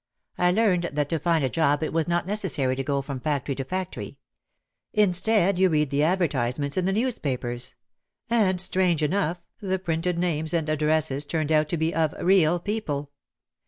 I learned that to find a job it was not necessary to go from factory to factory. Instead you read the advertisements in the newspapers. And strange enough, the printed names and addresses turned out to be of "real people."